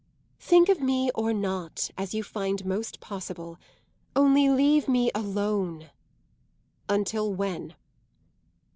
"Think of me or not, as you find most possible; only leave me alone." "Until when?"